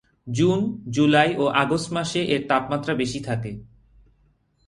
June, July ও August মাসে এর তাপমাত্রা বেশি থাকে।